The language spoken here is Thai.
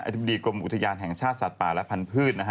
ธิบดีกรมอุทยานแห่งชาติสัตว์ป่าและพันธุ์นะฮะ